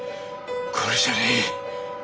これじゃねえ！